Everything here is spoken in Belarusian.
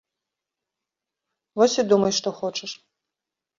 Вось і думай што хочаш.